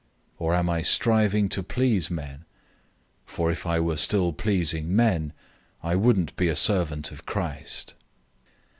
Or am I striving to please men? For if I were still pleasing men, I wouldn't be a servant of Christ.